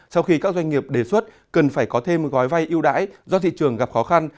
sau khi các doanh nghiệp đề xuất cần phải có thêm gói vay ưu đãi do thị trường gặp khó khăn